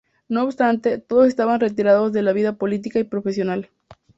No obstante, todos estaban retirados de la vida política y profesional.